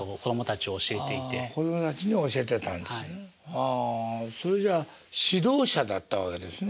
ああそれじゃあ指導者だったわけですね？